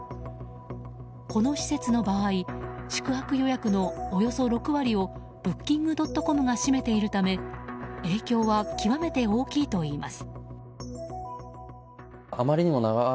この施設の場合宿泊予約のおよそ６割をブッキングドットコムが占めているため影響は極めて大きいといいます。